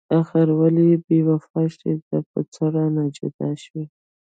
اخر ولې بې وفا شوي؟ دا په څه رانه جدا شوي؟